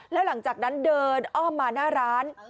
แล้วหลังจากนั้นเดินอ้อมมาหน้าร้าน